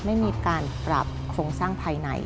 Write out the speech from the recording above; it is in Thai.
ไม่มีการปรับโครงสร้างภายใน